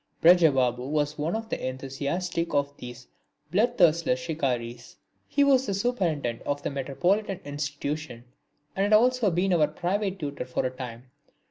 Braja Babu was one of the most enthusiastic of these blood thirstless shikaris. He was the Superintendent of the Metropolitan Institution and had also been our private tutor for a time.